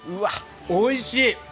おいしい！